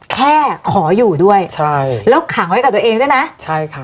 ขออยู่ด้วยใช่แล้วขังไว้กับตัวเองด้วยนะใช่ครับ